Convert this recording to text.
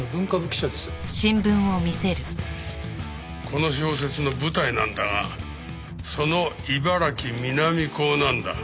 この小説の舞台なんだがその茨城南港なんだ。